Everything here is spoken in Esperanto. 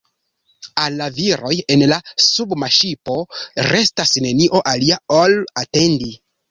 Al la viroj en la submarŝipo restas nenio alia ol atendi.